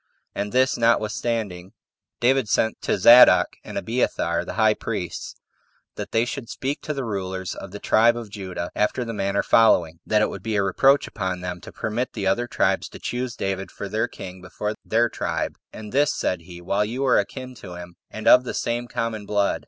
And, this notwithstanding, David sent to Zadok and Abiathar the high priests, that they should speak to the rulers of the tribe of Judah after the manner following: That it would be a reproach upon them to permit the other tribes to choose David for their king before their tribe, "and this," said he, "while you are akin to him, and of the same common blood."